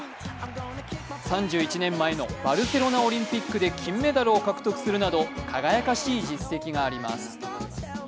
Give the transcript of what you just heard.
３１年前のバルセロナオリンピックで金メダルを獲得するなど輝かしい実績があります。